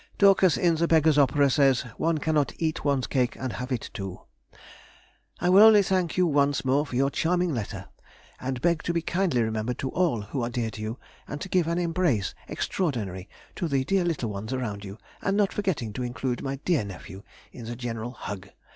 Dorcas, in the Beggar's Opera, says, "One cannot eat one's cake and have it too!"... I will only thank you once more for your charming letter, and beg to be kindly remembered to all who are dear to you, and to give an embrace extraordinary to the dear little ones around you, and not forgetting to include my dear nephew in the general hug!